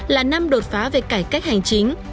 là năm đột phá về cải cách hành chính